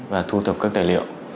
và thu thập các tài liệu